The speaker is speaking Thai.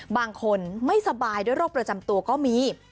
บางคนไม่สบายด้วยโรคประจำตัวก็มี